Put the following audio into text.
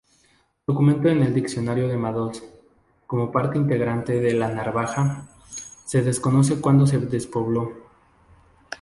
Documentado en el diccionario Madoz, como parte integrante de Narvaja.Se desconoce cuándo se despobló.